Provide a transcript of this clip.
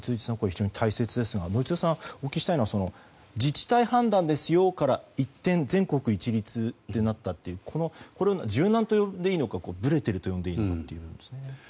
非常に大切ですが宜嗣さん、お聞きしたいのは自治体判断ですよから一転全国一律となったというこれを柔軟と呼んでいいのかぶれていると呼んでいいのかですね。